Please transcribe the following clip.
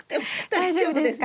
大丈夫ですか？